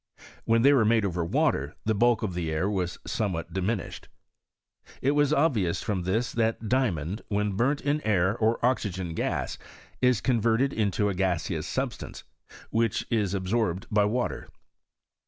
When they were made over water, the bulk of the air was somewhat diminished. It was obvious from this that diamond when burnt in air or oxygen gas, is converted into a gaseous substance, which is ab sorbed by water.